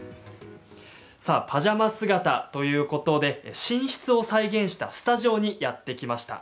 さあ、パジャマ姿ということで寝室を再現したスタジオにやって来ました。